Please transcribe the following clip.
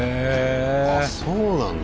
あそうなんだ。